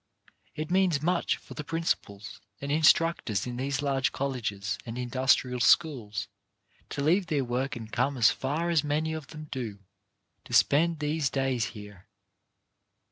It means much for the principals and instructors in these large colleges and industrial schools to leave their work and come as far as many of them do, to spend these days here.